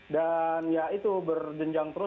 dan ya itu berjenjang terus